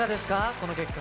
この結果。